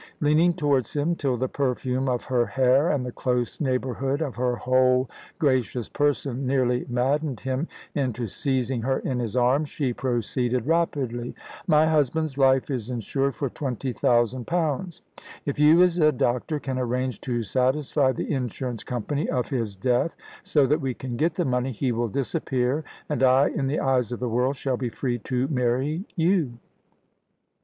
Leaning towards him, till the perfume of her hair and the close neighbourhood of her whole gracious person nearly maddened him into seizing her in his arms, she proceeded rapidly. "My husband's life is insured for twenty thousand pounds. If you as a doctor can arrange to satisfy the insurance company of his death, so that we can get the money, he will disappear, and I, in the eyes of the world, shall be free to marry you."